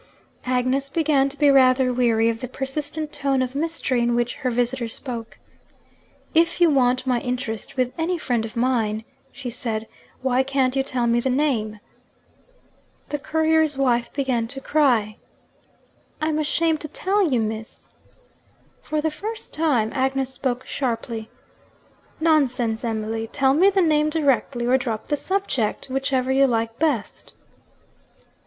Agnes began to be rather weary of the persistent tone of mystery in which her visitor spoke. 'If you want my interest with any friend of mine,' she said, 'why can't you tell me the name?' The courier's wife began to cry. 'I'm ashamed to tell you, Miss.' For the first time, Agnes spoke sharply. 'Nonsense, Emily! Tell me the name directly or drop the subject whichever you like best.'